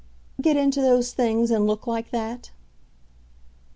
"Get into those things, and look like that."